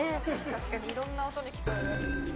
確かに色んな音に聞こえる。